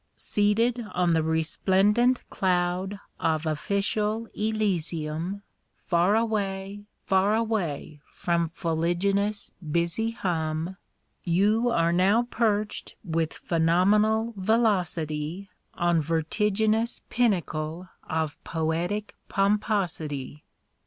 Seated on the resplendent cloud of official Elysium, Far away, far away from fuliginous busy hum You are now perched with phenomenal velocity On vertiginous pinnacle of poetic pomposity!